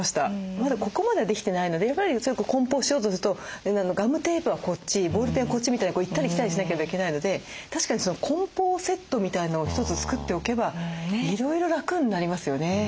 まだここまではできてないのでやっぱり梱包しようとするとガムテープはこっちボールペンはこっちみたいにこう行ったり来たりしなければいけないので確かに梱包セットみたいのを一つ作っておけばいろいろ楽になりますよね。